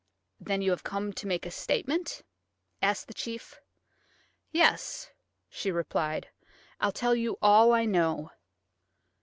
"Then you have come to make a statement?" asked the chief. "Yes," she replied; "I'll tell you all I know.